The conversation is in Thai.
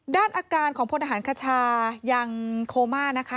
ด้านอาการของพลทหารคชายังโคม่านะคะ